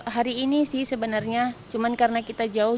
hari ini sih sebenarnya cuma karena kita jauh